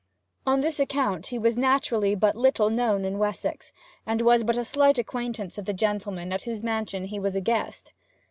On this account he was naturally but little known in Wessex, and was but a slight acquaintance of the gentleman at whose mansion he was a guest.